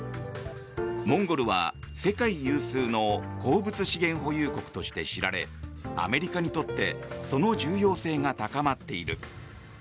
モンゴルは世界有数の鉱物資源保有国として知られアメリカにとってその重要性が高まっている。